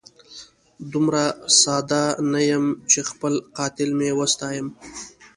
دومره ساده نه یم چي خپل قاتل مي وستایمه